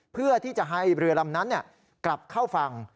เพื่อที่จะให้เรือลำนั้นกลับเข้าฝั่ง